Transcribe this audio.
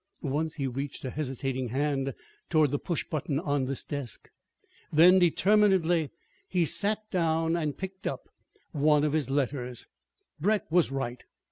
Once he reached a hesitating hand toward the push button on this desk. Then determinedly he sat down and picked up one of his letters. Brett was right.